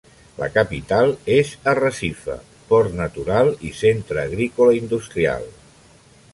La capital és Arrecife; port natural, i centre agrícola i industrial.